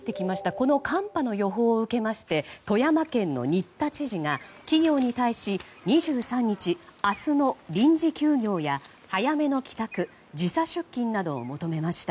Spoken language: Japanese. この寒波の予報を受けまして富山県の新田知事が企業に対し、２３日明日の臨時休業や早めの帰宅時差出勤などを求めました。